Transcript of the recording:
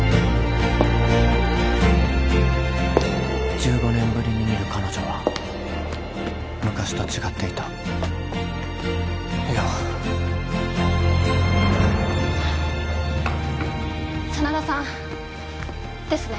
１５年ぶりに見る彼女は昔と違っていた梨央真田さんですね？